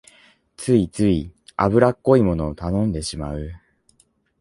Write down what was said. ついつい油っこいものを頼んでしまう